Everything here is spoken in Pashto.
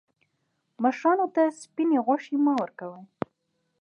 مشرانو ته سپیني غوښي مه ورکوئ.